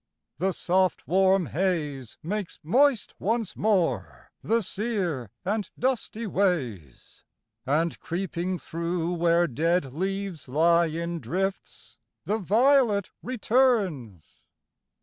The soft, warm haze Makes moist once more the sere and dusty ways, And, creeping through where dead leaves lie in drifts, The violet returns.